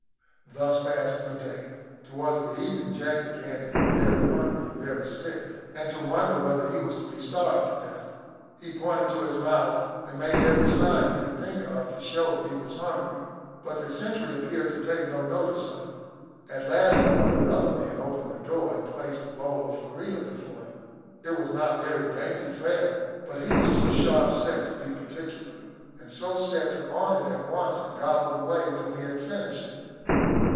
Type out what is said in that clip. Thus passed the day. Towards the evening Jack began to be very hungry and very sick, and to wonder whether he was to be starved to death. He pointed to his mouth, and made every sign he could think of to show that he was hungry, but the sentry appeared to take no notice of him. At last, however, another man opened the door and placed a bowl of farina before him. It was not very dainty fare, but he was too sharp set to be particular, and so set to on it at once and gobbled away till he had finished it.